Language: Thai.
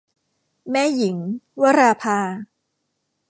แม่หญิง - วราภา